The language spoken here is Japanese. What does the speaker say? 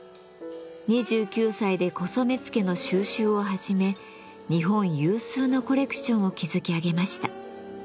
２９歳で古染付の蒐集を始め日本有数のコレクションを築き上げました。